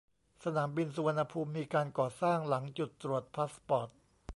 สนามบินสุรรณภูมิมีการก่อสร้างหลังจุดตรวจพาสปอร์ต